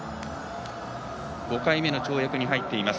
５回目の跳躍に入っています。